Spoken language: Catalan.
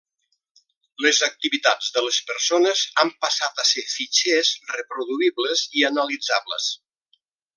Les activitats de les persones han passat a ser fitxers reproduïbles i analitzables.